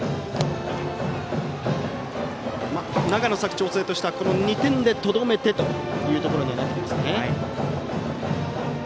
長野・佐久長聖としては２点でとどめてということになってきますね。